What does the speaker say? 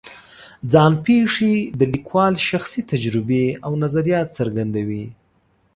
ځان پېښې د لیکوال شخصي تجربې او نظریات څرګندوي.